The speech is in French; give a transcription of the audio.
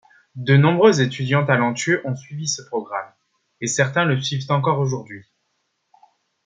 De nombreux étudiants talentueux ont suivi ce programme, et certains le suivent encore aujourd'hui.